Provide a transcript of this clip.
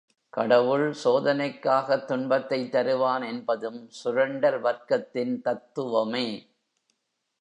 கடவுள், சோதனைக்காகத் துன்பத்தைத் தருவான் என்பதும் சுரண்டல் வர்க்கத்தின் தத்துவமே.